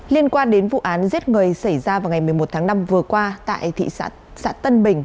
liên quan đến vụ án giết người xảy ra vào ngày một mươi một tháng năm vừa qua tại thị xã tân bình